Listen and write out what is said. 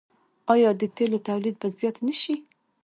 آیا د تیلو تولید به زیات نشي؟